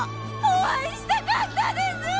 お会いしたかったです！